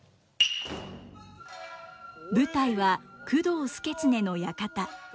舞台は工藤祐経の館。